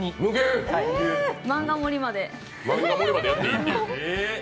漫画盛りまで。